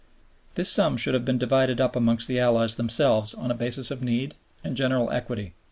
This sum should have been divided up amongst the Allies themselves on a basis of need and general equity.